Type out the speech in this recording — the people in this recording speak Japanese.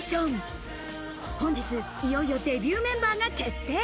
本日いよいよ、デビューメンバーが決定。